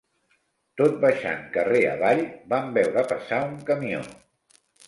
Tot baixant carrer avall, vam veure passar un camió